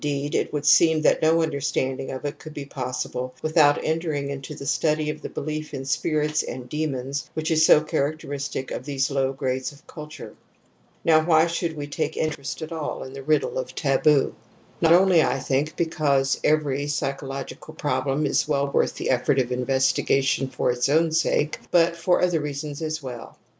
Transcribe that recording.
88 TOTEM AND TABOO r NV it would seem that no understanding of it could be possible without entering into the study of the belief in spirits and demons which is so characteristic of these low grades of culture. Now why should we take any interest at all in the riddle of taboo ? Not only, I think, because every psychological problem is well worth the effort of investigation for its own sake, but for other reasons as well.